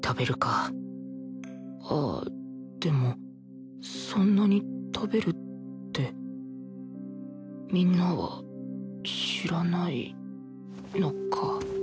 あっでもそんなに食べるってみんなは知らないのか